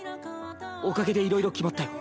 おかげでいろいろ決まったよ。